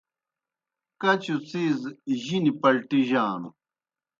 کچوْ څِیز جِنیْ پلٹِجانوْ۔